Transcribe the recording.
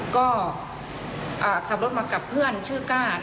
ก็ขับรถมากับเพื่อนชื่อก้า